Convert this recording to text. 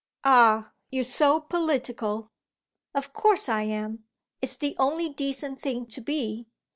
"Ah you're so political!" "Of course I am; it's the only decent thing to be.